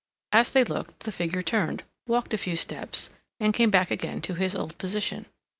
As they looked the figure turned, walked a few steps, and came back again to his old position.